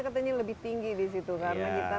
katanya lebih tinggi di situ karena kita